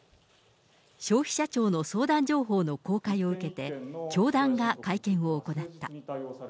消費者庁の相談情報の公開を受けて、教団が会見を行った。